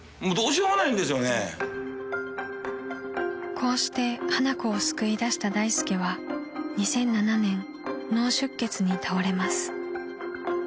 ［こうして花子を救い出した大助は２００７年脳出血に倒れます］